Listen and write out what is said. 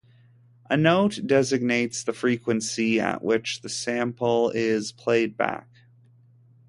A note designates the frequency at which the sample is played back.